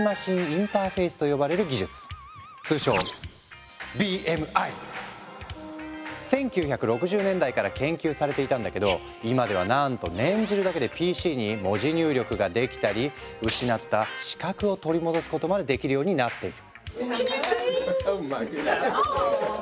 通称１９６０年代から研究されていたんだけど今ではなんと念じるだけでＰＣに文字入力ができたり失った視覚を取り戻すことまでできるようになっている。